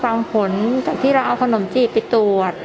ก็รอฟังผลเผื่อกับที่เราเอาขนมจีบไปตรวจ